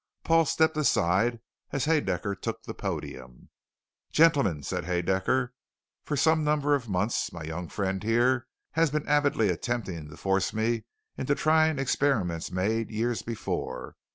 Paul stepped aside as Haedaecker took the podium. "Gentlemen," said Haedaecker, "for some number of months, my young friend here has been avidly attempting to force me into trying experiments made years before.